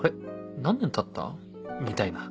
何年たった？みたいな。